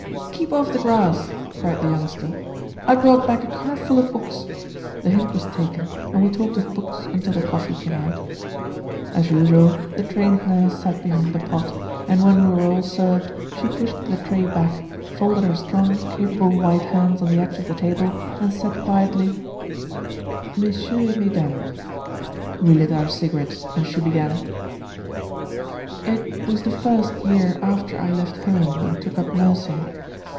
"Keep off the grass," cried the Youngster. "I brought back a car full of books." The hint was taken, and we talked of books until the coffee came out. As usual, the Trained Nurse sat behind the pot, and when we were all served, she pushed the tray back, folded her strong capable white hands on the edge of the table, and said quietly: "Messieurs et Mesdames" We lit our cigarettes, and she began: It was the first year after I left home and took up nursing.